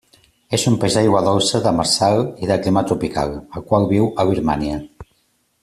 És un peix d'aigua dolça, demersal i de clima tropical, el qual viu a Birmània.